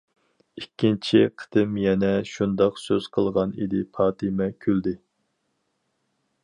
ئىككىنچى قېتىم يەنە شۇنداق سۆز قىلغان ئىدى پاتىمە كۈلدى.